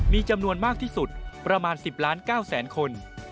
มีจำนวนมากที่สุดประมาณ๑๐ล้าน๙แสนคน